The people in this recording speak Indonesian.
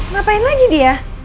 ngapain lagi dia